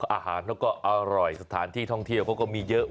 อาหารเขาก็อร่อยสถานที่ท่องเที่ยวเขาก็มีเยอะ